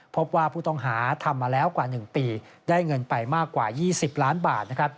พบว่าผู้ต้องหาทำมาแล้วกว่า๑ปีได้เงินไปมากกว่า๒๐ล้านบาท